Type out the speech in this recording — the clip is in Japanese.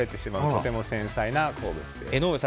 とても繊細な鉱物です。